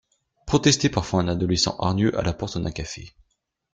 Protestait parfois un adolescent hargneux à la porte d'un café.